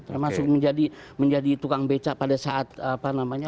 termasuk menjadi tukang beca pada saat apa namanya